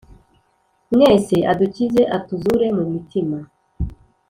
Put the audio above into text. mwese adukize, Atu zure mu mitima